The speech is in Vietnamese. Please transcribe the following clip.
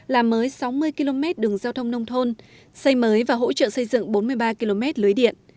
làm mới sáu mươi km đường giao thông nông thôn xây mới và hỗ trợ xây dựng bốn mươi ba km lưới điện